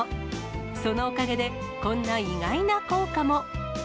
そのおかげで、こんな意外な効果も。